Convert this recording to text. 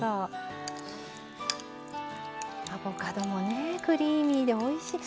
アボカドもねクリーミーでおいしい。